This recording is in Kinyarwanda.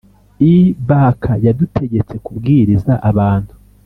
Ibk yadutegetse kubwiriza abantu